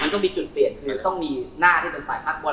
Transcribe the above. มันต้องมีจุดเปลี่ยนคือต้องมีหน้าที่เป็นสไตล์พักบน